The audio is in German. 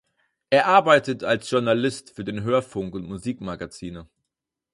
Er arbeitet als Journalist für den Hörfunk und Musikmagazine.